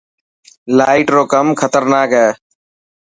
لائٽ رو ڪم خطرناڪ هي.